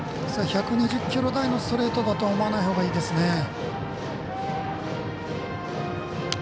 １２０キロ台のストレートだとは思わないほうがいいですね。